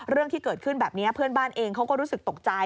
เรื่องที่เกิดขึ้นแบบนี้เพื่อนบ้านเองเขาก็รู้สึกตกใจ